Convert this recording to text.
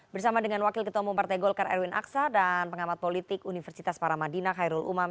bersama dengan wakil ketua umum partai golkar erwin aksa dan pengamat politik universitas paramadina khairul umam